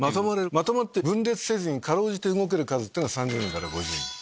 まとまって分裂せずに辛うじて動ける数ってのが３０人から５０人。